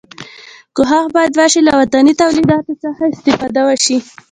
کوښښ باید وشي له وطني تولیداتو څخه استفاده وشي.